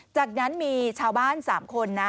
จากนั้นมีชาวบ้าน๓คนนะ